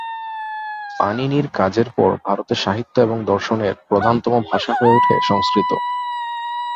পাণিনির কাজের পর ভারতে সাহিত্য এবং দর্শনের প্রধানতম ভাষা হয়ে ওঠে সংস্কৃত।